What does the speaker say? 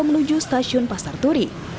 menuju stasiun pasar turi